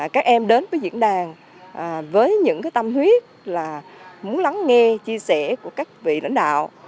các em đến với diễn đàn với những tâm huyết là muốn lắng nghe chia sẻ của các vị lãnh đạo